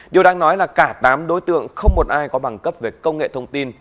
điều đang nói là cả tám đối tượng không một ai có bằng cấp về công nghệ thông tin